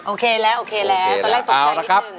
โอเคแล้วตอนแรกตกใจนิดนึง